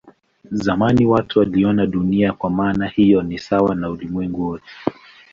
Zamani watu waliona Dunia kwa maana hiyo ni sawa na ulimwengu wote.